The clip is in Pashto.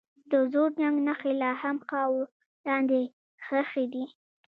د زوړ جنګ نښې لا هم خاورو لاندې ښخي دي.